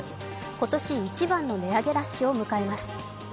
今年一番の値上げラッシュを迎えます。